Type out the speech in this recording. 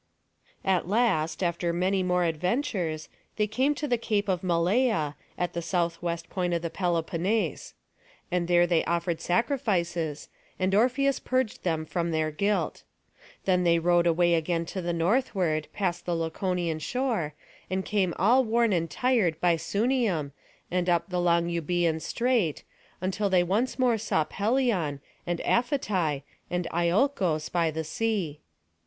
At last, after many more adventures, they came to the Cape of Malea, at the southwest point of the Peloponnese. And there they offered sacrifices, and Orpheus purged them from their guilt. Then they rowed away again to the northward, past the Laconian shore, and came all worn and tired by Sunium, and up the long Eubœan Strait, until they saw once more Pelion, and Aphetai, and Iolcos by the sea.